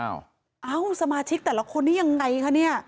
เอ้าสมาชิกแต่ละคนนี้ยังไงคะเนี่ย